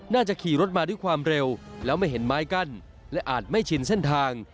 ขี่รถมาด้วยความเร็วแล้วไม่เห็นไม้กั้นและอาจไม่ชินเส้นทาง